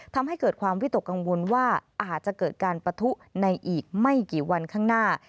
ทำให้เกิดความวิตกกังวลว่าอาจจะเกิดการปะทุในอีกไม่กี่วันข้างหน้า